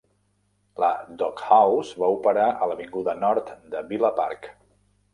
La Dog House va operar a l'Avinguda Nord de Villa Park.